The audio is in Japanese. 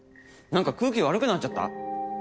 なんか空気悪くなっちゃった？